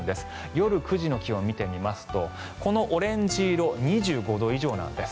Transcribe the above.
夜９時の気温見てみますとこのオレンジ色２５度以上なんです。